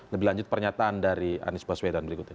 lebih lanjut pernyataan dari anies baswedan berikut ini